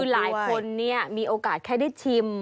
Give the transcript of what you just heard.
หลายคนมีโอกาสแค่ได้ชิม